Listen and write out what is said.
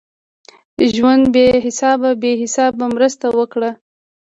ژونده بی حسابه ؛ بی حسابه مسرت ورکړه